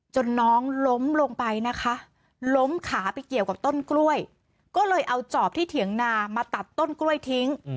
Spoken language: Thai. น้องล้มลงไปนะคะล้มขาไปเกี่ยวกับต้นกล้วยก็เลยเอาจอบที่เถียงนามาตัดต้นกล้วยทิ้ง